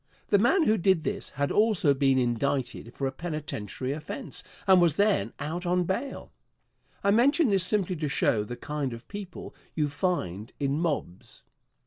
The man who did this had also been indicted for a penitentiary offence and was then out on bail. I mention this simply to show the kind of people you find in mobs.